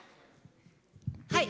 はい。